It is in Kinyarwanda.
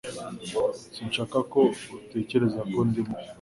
Sinshaka ko utekereza ko ndi mubi